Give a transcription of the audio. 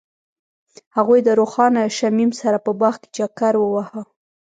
هغوی د روښانه شمیم سره په باغ کې چکر وواهه.